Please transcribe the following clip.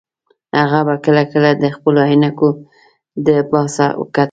هغه به کله کله د خپلو عینکې د پاسه کتل